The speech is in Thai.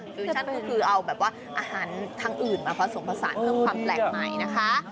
คือชั่นก็คือเอาแบบว่าอาหารทางอื่นมาผสมผสานเพิ่มความแปลกใหม่นะคะ